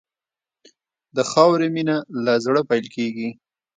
د خاورې مینه له زړه پیل کېږي.